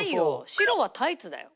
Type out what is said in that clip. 白はタイツだよ。